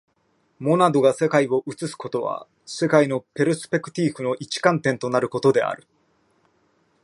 モナドが世界を映すことは、世界のペルスペクティーフの一観点となることである。